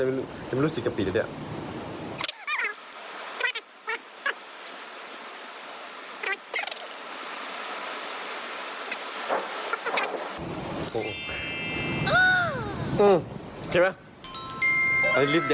โอ้ยยังไม่รู้สิกกะปรีแล้วเนี่ย